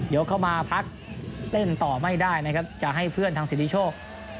เข้ามาพักเล่นต่อไม่ได้นะครับจะให้เพื่อนทางสิทธิโชค